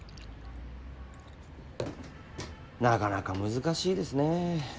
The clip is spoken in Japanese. なかなか難しいですねえ。